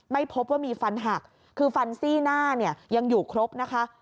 ไม่พบว่ามีฟันหักคือฟันซี่หน้าเนี่ยยังอยู่ครบนะคะ